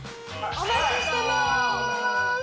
お待ちしてまーす！